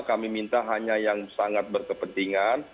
kami minta hanya yang sangat berkepentingan